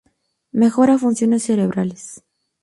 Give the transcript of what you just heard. Mejora funciones cerebrales.